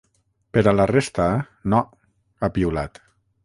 Per a la resta, no, ha piulat.